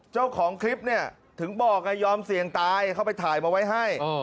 เจ้าของคลิปเนี่ยถึงบอกไงยอมเสี่ยงตายเข้าไปถ่ายมาไว้ให้